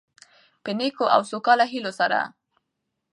په نیکو او سوکاله هيلو سره،